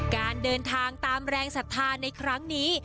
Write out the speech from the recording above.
การเดินทางตามแรงศรัทธาในครั้งนี้